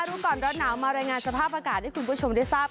รู้ก่อนร้อนหนาวมารายงานสภาพอากาศให้คุณผู้ชมได้ทราบ